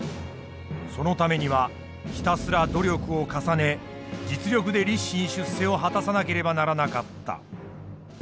そのためにはひたすら努力を重ね実力で立身出世を果たさなければならなかった。